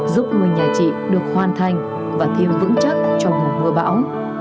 giúp người nhà chị được hoàn thành và thêm vững chắc trong mùa bão